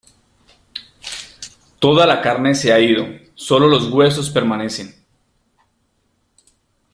Toda la carne se ha ido, sólo los huesos permanecen".